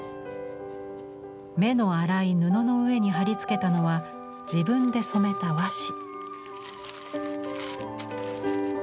目の粗い布の上に貼り付けたのは自分で染めた和紙。